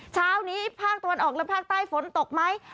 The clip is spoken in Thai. เช้านี้ภาคตะวันออกและภาคใต้ฝนตกไหม